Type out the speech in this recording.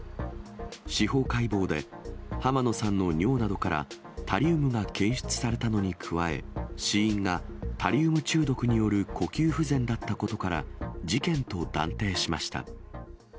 司法解剖で、浜野さんの尿などからタリウムが検出されたのに加え、死因がタリウム中毒による呼吸不全だったことから、事件と断定しました。